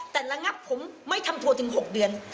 แต่ระงับผมไม่ทำทัวร์ถึง๖เดือน